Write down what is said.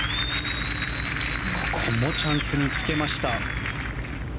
ここもチャンスにつけました。